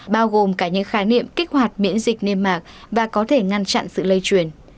bao gồm cả những khái niệm kích hoạt miễn dịch niêm mạc và có thể ngăn chặn sự lây truyền